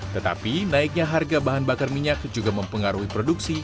tetapi naiknya harga bahan bakar minyak juga mempengaruhi produksi